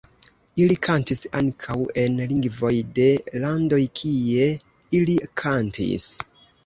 Ili kantis ankaŭ en lingvoj de landoj, kie ili kantis.